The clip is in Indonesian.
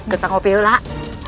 kita ngopi dulu lah